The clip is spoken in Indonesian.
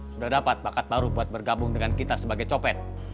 sudah dapat bakat baru buat bergabung dengan kita sebagai copet